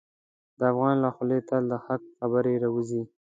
د افغان له خولې تل د حق خبره راوځي.